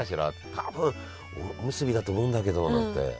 多分おむすびだと思うんだけど」なんて。